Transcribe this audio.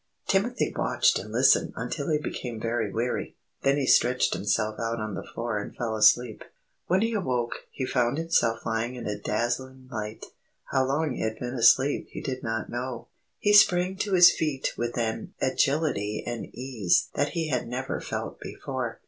_" Timothy watched and listened until he became very weary; then he stretched himself out on the floor and fell asleep. When he awoke, he found himself lying in a dazzling light. How long he had been asleep he did not know. He sprang to his feet with an agility and ease that he had never felt before.